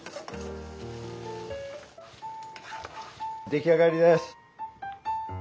出来上がりです。